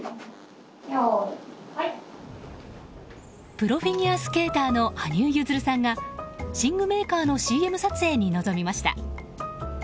プロフィギュアスケーターの羽生結弦さんが寝具メーカーのＣＭ撮影に臨みました。